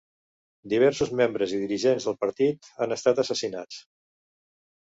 Diversos membres i dirigents del partit han estat assassinats.